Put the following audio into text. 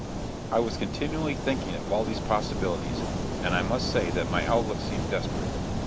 I was continually thinking of all these possibilities, and I must say that my outlook seemed desperate.